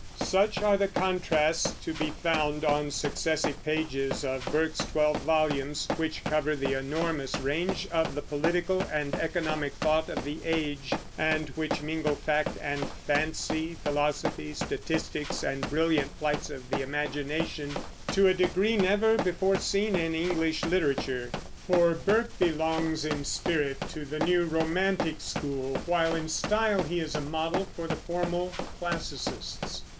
Such are the contrasts to be found on successive pages of Burke's twelve volumes, which cover the enormous range of the political and economic thought of the age, and which mingle fact and fancy, philosophy, statistics, and brilliant flights of the imagination, to a degree never before seen in English literature. For Burke belongs in spirit to the new romantic school, while in style he is a model for the formal classicists.